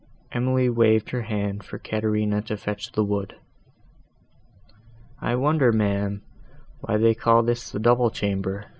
Emily waved her hand for Caterina to fetch the wood. "I wonder, ma'am, why they call this the double chamber?"